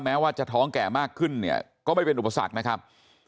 แม้ว่าจะท้องแก่มากขึ้นเนี่ยก็ไม่เป็นอุปสรรคนะครับ